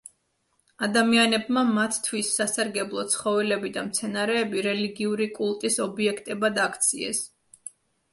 ადამიანებმა მათთვის სასარგებლო ცხოველები და მცენარეები რელიგიური კულტის ობიექტებად აქციეს.